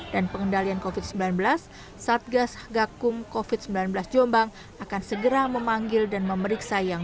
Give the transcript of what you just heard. dan pengendalian covid sembilan belas satgas gakum covid sembilan belas jombang akan segera memanggil dan memeriksa yang